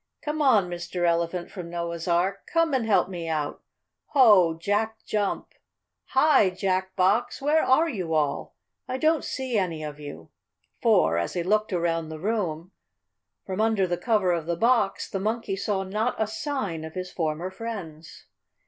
Come on, Mr. Elephant from Noah's Ark! Come and help me out! Ho, Jack Jump! Hi, Jack Box! Where are you all? I don't see any of you!" For, as he looked around the room, from under the cover of the box, the Monkey saw not a sign of his former friends.